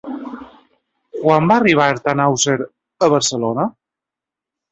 Quan va arribar Tannhäuser a Barcelona?